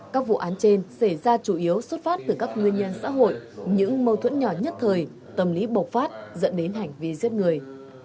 các vụ án trên xảy ra chủ yếu xuất phát từ các nguyên nhân xã hội những mâu thuẫn nhỏ nhất thời tâm lý bộc phát dẫn đến hành vi giết người